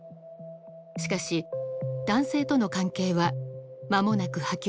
しかし男性との関係は間もなく破局。